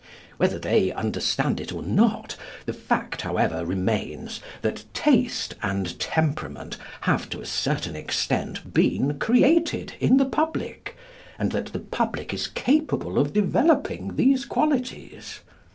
Whether they understand it or not the fact however remains, that taste and temperament have, to a certain extent been created in the public, and that the public is capable of developing these qualities.